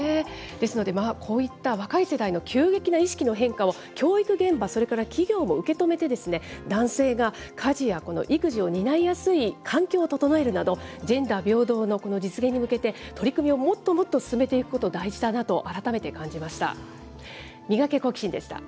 ですので、こういった若い世代の急激な意識の変化を教育現場、それから企業も受け止めて、男性が家事や育児を担いやすい環境を整えるなど、ジェンダー平等のこの実現に向けて、取り組みをもっともっと進めていくこと、大事だなと改めて感じました。